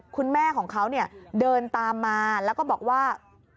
คุณแม่ของเขาเนี่ยเดินตามมาแล้วก็บอกว่า